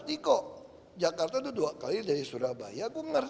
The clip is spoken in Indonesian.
diko jakarta itu dua kali dari surabaya aku ngeri